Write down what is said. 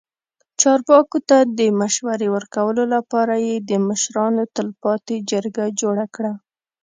چارواکو ته د مشورې ورکولو لپاره یې د مشرانو تلپاتې جرګه جوړه کړه.